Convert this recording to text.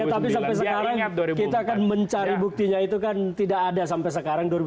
tapi sampai sekarang kita kan mencari buktinya itu kan tidak ada sampai sekarang dua ribu sembilan belas